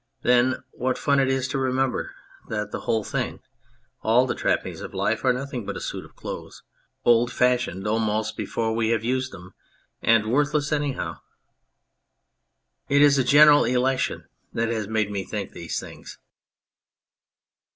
Then what fun it is to remember that the whole thing, all the trappings of life, are nothing but a suit of clothes : old fashioned almost before we have used them, and worthless anyhow. It is a general election that has made me think these things.